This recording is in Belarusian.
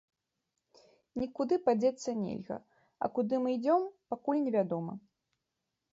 Нікуды падзецца нельга, а куды мы ідзём, пакуль невядома.